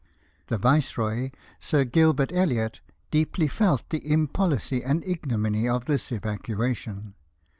The viceroy, Sir Gilbert Elliot, deeply felt the im pohcy and ignominy of this evacuation.